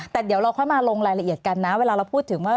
แต่เดี๋ยวเราค่อยมาลงรายละเอียดกันนะเวลาเราพูดถึงว่า